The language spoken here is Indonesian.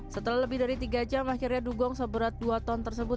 setelah lebih dari tiga jam akhirnya dugong seberat dua ton tersebut